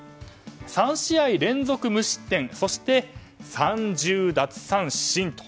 ３試合連続無失点そして、３０奪三振と。